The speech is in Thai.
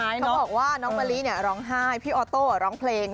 เขาบอกว่าน้องมะลิร้องไห้พี่ออโต้ร้องเพลง